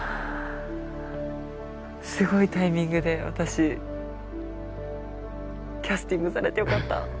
すごいタイミングで私キャスティングされてよかった。